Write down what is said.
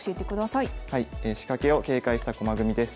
「仕掛けを警戒した駒組み」です。